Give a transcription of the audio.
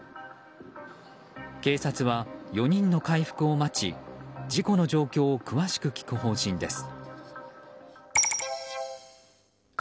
警察は４人の回復を待ち事故の状況を詳しく聞く方針です。